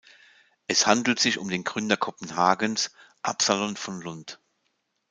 Es handelte sich um den Gründer Kopenhagens, Absalon von Lund.